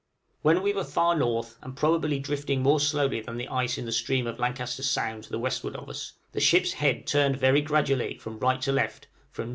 When we were far north, and probably drifting more slowly than the ice in the stream of Lancaster Sound to the westward of us, the ship's head turned very gradually from right to left, from N.N.